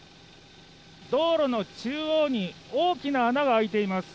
道路の中央に大きな穴が開いています。